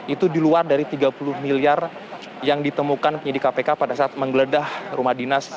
itu di luar dari tiga puluh miliar yang ditemukan penyidik kpk pada saat menggeledah rumah dinas